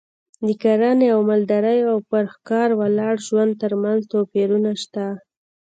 د کرنې او مالدارۍ او پر ښکار ولاړ ژوند ترمنځ توپیرونه شته